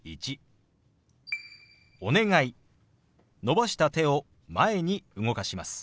伸ばした手を前に動かします。